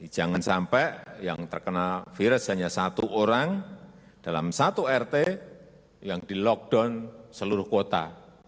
jangan sampai yang terkena virus hanya satu orang dalam satu rt yang di lockdown seluruh kota